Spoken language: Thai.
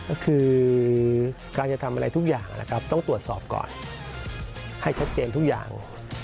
ก็คือการจะทำอะไรทุกอย่างนะครับต้องตรวจสอบก่อนให้ชัดเจนทุกอย่าง